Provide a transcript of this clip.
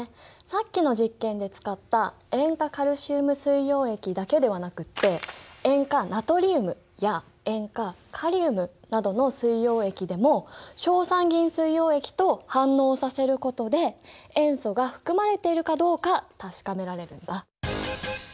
さっきの実験で使った塩化カルシウム水溶液だけではなくって塩化ナトリウムや塩化カリウムなどの水溶液でも硝酸銀水溶液と反応させることで塩素が含まれているかどうか確かめられるんだ。